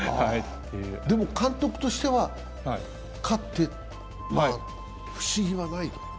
でも、監督としては勝って不思議はないと？